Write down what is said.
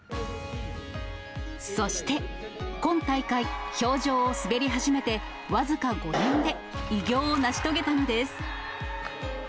そして、今大会、氷上を滑り始めて僅か５年で、偉業を成し遂げたのです。